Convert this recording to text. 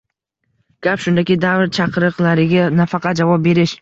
Gap shundaki, davr chaqiriqlariga nafaqat javob berish